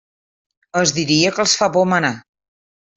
Es diria que els fa por manar.